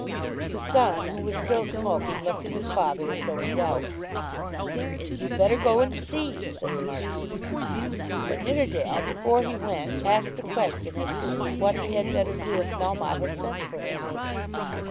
The son, who was still smoking, looked at his father as though in doubt. "You'd better go and see," said the Marquis. But Nidderdale before he went asked a question as to what he had better do if Melmotte had sent for him.